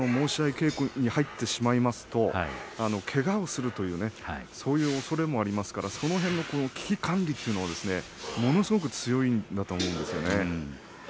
稽古に入ってしまいますとけがをするというそういうおそれもありますからそういうところの危機管理というのが、ものすごく強いんだと思うんですね。